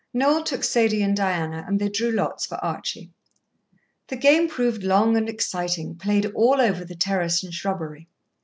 Noel took Sadie and Diana, and they drew lots for Archie. The game proved long and exciting, played all over the terrace and shrubbery.